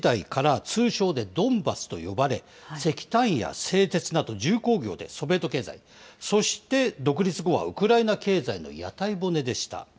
このドネツク、ルハンシク州はソビエト時代から通称でドンバスと呼ばれ、石炭や製鉄など重工業でソビエト経済、そして独立後はウクライナ経済の屋台骨でした。